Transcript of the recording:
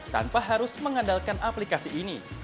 tanpa harus mengandalkan aplikasi ini